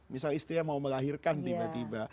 misalnya istrinya mau melahirkan tiba tiba